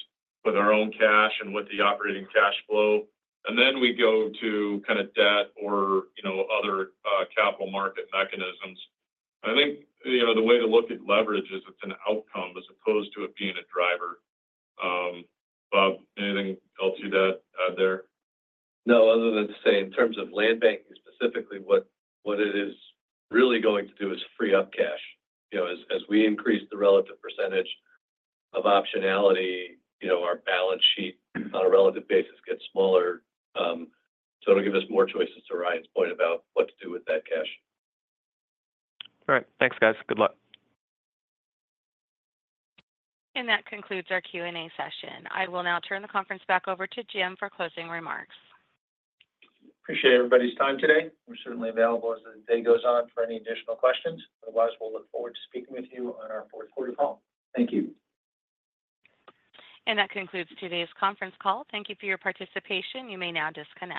C: with our own cash and with the operating cash flow. And then we go to kind of debt or, you know, other capital market mechanisms. I think, you know, the way to look at leverage is it's an outcome as opposed to it being a driver. Bob, anything else to that, there?
D: No, other than to say in terms of land banking, specifically, what it is really going to do is free up cash. You know, as we increase the relative percentage of optionality, you know, our balance sheet on a relative basis gets smaller. So it'll give us more choices to Ryan's point about what to do with that cash.
N: All right. Thanks, guys. Good luck.
A: And that concludes our Q&A session. I will now turn the conference back over to Jim for closing remarks.
B: Appreciate everybody's time today. We're certainly available as the day goes on for any additional questions. Otherwise, we'll look forward to speaking with you on our fourth-quarter call. Thank you.
A: That concludes today's conference call. Thank you for your participation. You may now disconnect.